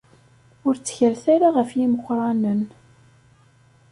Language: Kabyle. Ur ttkalet ara ɣef yimeqqranen.